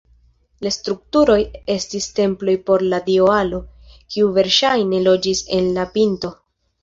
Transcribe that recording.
La strukturoj estis temploj por la dio Alo, kiu verŝajne loĝis en la pinto.